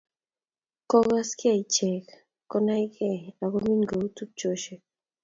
Kukukaskei ichek konaikei akomeny kou tupchoshek